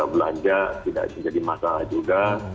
belanja tidak menjadi masalah juga